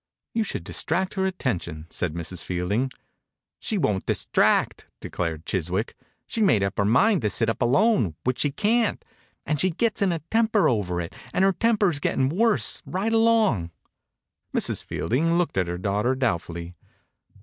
"You should distract her at tention," said Mrs. Fielding. "She won't distract," declared Chiswick. "She made up her mind to sit up alone — which she can't — and she gets in a 43 THE INCUBATOR BABY temper over it, and her temper's getting worse right along." Mrs. Fielding looked at her daughter doubtfully.